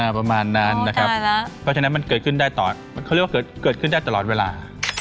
ประมาณนั้นนะครับเพราะฉะนั้นมันเกิดขึ้นได้ต่อเขาเรียกว่าเกิดขึ้นได้ตลอดเวลา